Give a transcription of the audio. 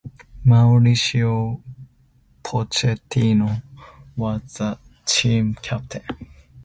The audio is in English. Mauricio Pochettino was the team captain.